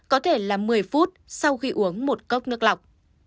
có thể là một mươi phút sau khi uống một cốc nước lọc